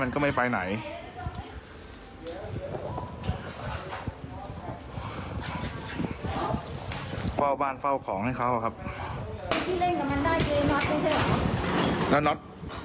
ข้าวบ้านเฝ้าของให้เขาครับและน็อต